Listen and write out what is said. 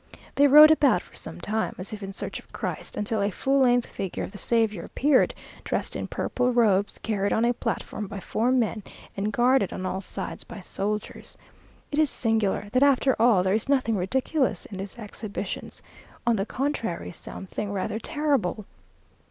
They rode about for some time, as if in search of Christ, until a full length figure of the Saviour appeared, dressed in purple robes, carried on a platform by four men, and guarded on all sides by soldiers. It is singular, that after all there is nothing ridiculous in these exhibitions; on the contrary, something rather terrible.